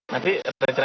nanti perancisnya gimana